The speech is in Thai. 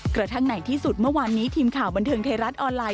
กระทั่งไหนที่สุดเมื่อวานนี้ทีมข่าวบันเทิงไทยรัฐออนไลน